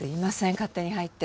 勝手に入って。